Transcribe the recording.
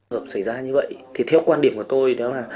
hợp xảy ra như vậy thì theo quan điểm của tôi